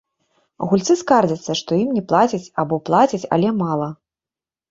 Гульцы скардзяцца, што ім не плацяць або плацяць, але мала.